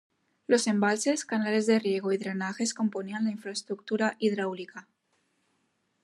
Los embalses, canales de riego y drenajes componían la infraestructura hidráulica.